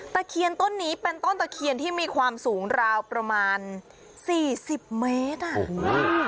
ตะเคียนต้นนี้เป็นต้นตะเคียนที่มีความสูงราวประมาณสี่สิบเมตรอ่ะ